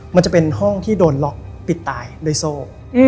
มันจะเป็นห้องที่โดนล็อกปิดตายด้วยโซ่